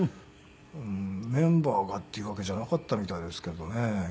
メンバーがっていうわけじゃなかったみたいですけどね。